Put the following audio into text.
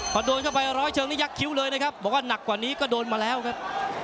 พอโดนเข้าไปร้อยเชิงนี่ยักษิ้วเลยนะครับบอกว่าหนักกว่านี้ก็โดนมาแล้วครับ